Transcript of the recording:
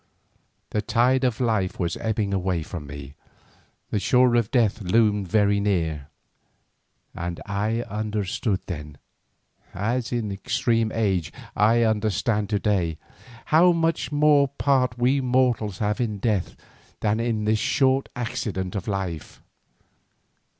The tide of life was ebbing away from me, the shore of death loomed very near, and I understood then, as in extreme old age I understand to day, how much more part we mortals have in death than in this short accident of life.